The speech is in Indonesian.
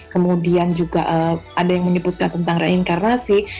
kemudian juga ada yang menyebutkan tentang reinkarnasi